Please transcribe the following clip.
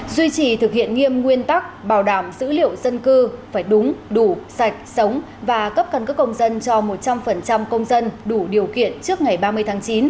duy trì thực hiện nghiêm nguyên tắc bảo đảm dữ liệu dân cư phải đúng đủ sạch sống và cấp căn cước công dân cho một trăm linh công dân đủ điều kiện trước ngày ba mươi tháng chín